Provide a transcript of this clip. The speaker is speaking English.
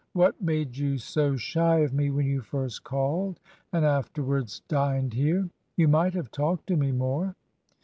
... What made you so shy of me when you first called, and after wards dined here? ... You might have talked to me more.'